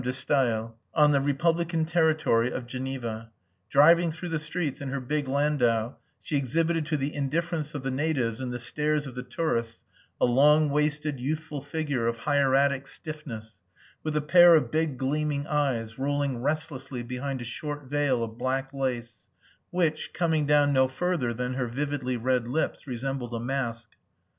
de Stael) on the republican territory of Geneva. Driving through the streets in her big landau she exhibited to the indifference of the natives and the stares of the tourists a long waisted, youthful figure of hieratic stiffness, with a pair of big gleaming eyes, rolling restlessly behind a short veil of black lace, which, coming down no further than her vividly red lips, resembled a mask.